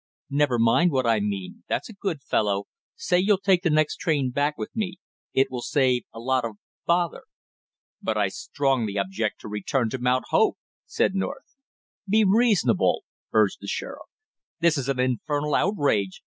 "Never mind what I mean, that's a good fellow; say you'll take the next train back with me; it will save a lot of, bother!" "But I strongly object to return to Mount Hope!" said North. "Be reasonable " urged the sheriff. "This is an infernal outrage!"